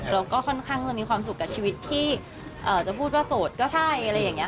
เราก็ค่อนข้างจะมีความสุขกับชีวิตที่จะพูดว่าโสดก็ใช่